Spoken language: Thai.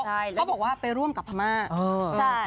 เขาบอกว่าไปร่วมกับพม่า